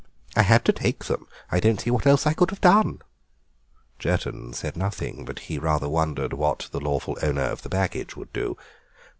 I had to take them; I don't see what else I could have done." Jerton said nothing, but he rather wondered what the lawful owner of the baggage would do.